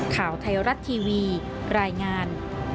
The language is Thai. ข่าวไทยรัฐทีวีรายงาน